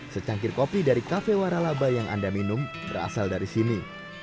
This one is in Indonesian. secangkir kopi dari kafe waralaba yang anda minum berasal dari sini